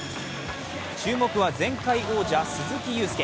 注目は前回王者・鈴木雄介。